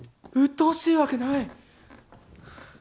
うっとうしいわけない！